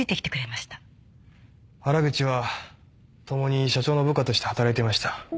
原口はともに社長の部下として働いていました。